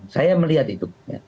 saya melihat itu